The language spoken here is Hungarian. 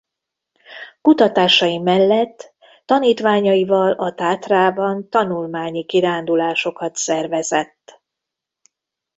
Kutatásai mellett tanítványaival a Tátrában tanulmányi kirándulásokat szervezett.